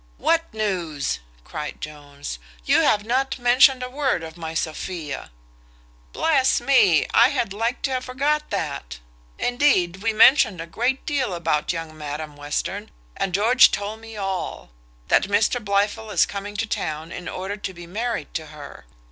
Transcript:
"What news?" cries Jones, "you have not mentioned a word of my Sophia!" "Bless me! I had like to have forgot that. Indeed, we mentioned a great deal about young Madam Western, and George told me all; that Mr Blifil is coming to town in order to be married to her.